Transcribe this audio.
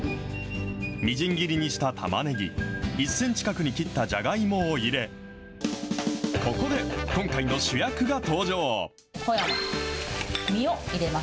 みじん切りにしたたまねぎ、１センチ角に切ったじゃがいもを入れ、ここで今回の主役が登場。